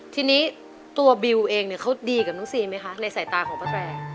ทีนี้ตัวบิวเองเนี่ยเขาดีกับน้องซีนไหมคะในสายตาของป้าแตร